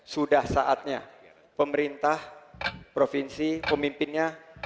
sudah saatnya pemerintah provinsi pemimpinnya